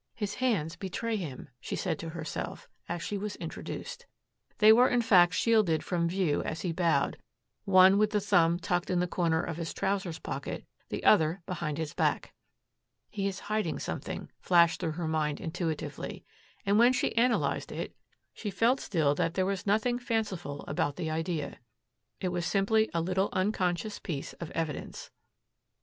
"His hands betray him," she said to herself, as she was introduced. They were in fact shielded from view as he bowed, one with the thumb tucked in the corner of his trousers pocket, the other behind his back. "He is hiding something," flashed through her mind intuitively. And, when she analyzed it, she felt still that there was nothing fanciful about the idea. It was simply a little unconscious piece of evidence.